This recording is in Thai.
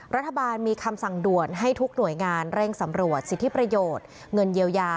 รัฐบาลมีคำสั่งด่วนให้ทุกหน่วยงานเร่งสำรวจสิทธิประโยชน์เงินเยียวยา